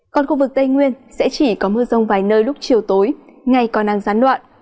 còn khu vực tây nguyên sẽ chỉ có mưa rông vài nơi lúc chiều tối ngày còn đang gián đoạn